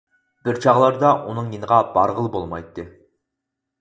بىر چاغلاردا ئۇنىڭ يېنىغا بارغىلى بولمايتتى.